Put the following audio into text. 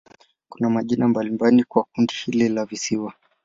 Kuna majina mbalimbali kwa kundi hili la visiwa.